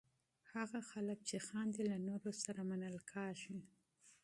هغه خلک چې خاندي، له نورو سره منل کېږي.